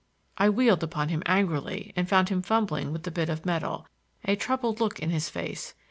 I wheeled upon him angrily and found him fumbling with the bit of metal, a troubled look in his face.